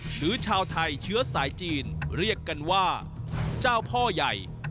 ชาวไทยเชื้อสายจีนเรียกกันว่าเจ้าพ่อใหญ่